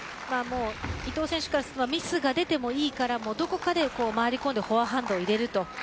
伊藤選手からするとミスが出てもいいからどこかで回り込んでフォアハンドを入れると。